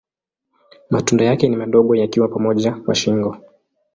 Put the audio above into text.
Matunda yake ni madogo yakiwa pamoja kwa shingo.